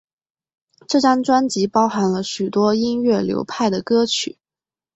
这张专辑包含了许多音乐流派的歌曲。